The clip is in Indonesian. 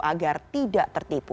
agar tidak tertipu